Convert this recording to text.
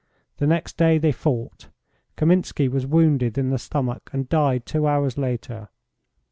The next day they fought. Kaminski was wounded in the stomach and died two hours later.